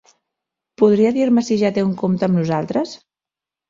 Podria dir-me si ja té un compte amb nosaltres?